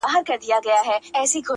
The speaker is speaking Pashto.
د هر وجود نه راوتلې د روح لاره سوې’